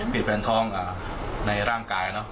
ติดแผนท้องในร่างกาย